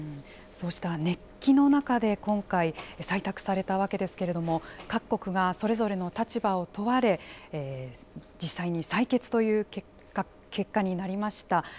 そうした熱気の中で今回、採択されたわけですけれども、各国がそれぞれの立場を問われ、実際に採決という結果になりました。